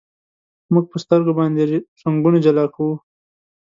موږ په سترګو باندې رنګونه جلا کوو.